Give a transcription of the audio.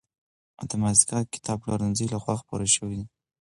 او د مازدېګر کتابپلورنځي له خوا خپور شوی دی.